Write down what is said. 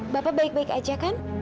bapak baik baik aja kan